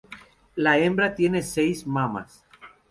La hembra tiene seis mamas.